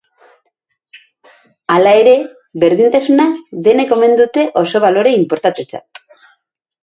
Hala ere, berdintasuna denek omen dute oso balore inportantetzat.